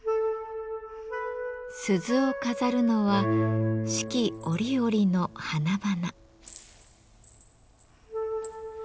鈴を飾るのは四季折々の花々。